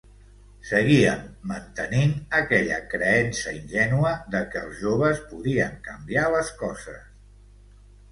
Seguíem mantenint aquella creença ingènua de que els joves podien canviar les coses.